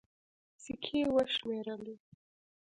سيکې يې وشمېرلې.